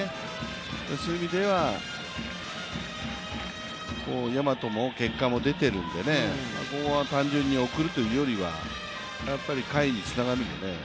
そういう意味では大和も結果も出てるんでここは単純に送るというよりは下位につながるんでね。